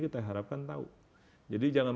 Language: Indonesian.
kita harapkan tahu jadi jangan